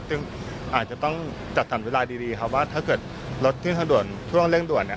ซึ่งอาจจะต้องจัดสรรเวลาดีครับว่าถ้าเกิดรถขึ้นทางด่วนช่วงเร่งด่วนเนี่ย